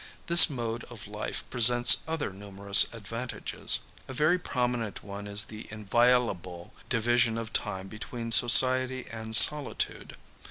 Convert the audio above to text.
This mode of life presents other numerous advantages. A very prominent one is the inviolable division of time between society and solitude.